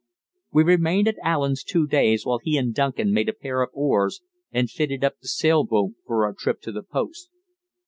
We remained at Allen's two days while he and Duncan made a pair of oars and fitted up the sailboat for our trip to the post.